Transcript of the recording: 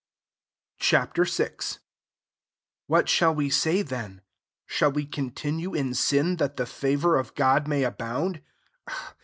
Ch. VI. I What shall we say then ? shall we continue in sin, that the favour of God may abound